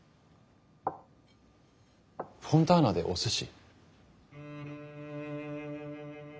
フォンターナでお寿司？